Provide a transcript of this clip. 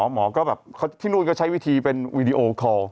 หมอก็แบบที่นู่นก็ใช้วิธีเป็นวีดีโอคอล